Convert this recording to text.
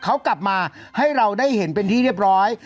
เขากลับมาให้เราได้เห็นเป็นที่เรียบร้อย